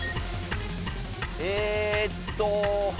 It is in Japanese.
えーっと。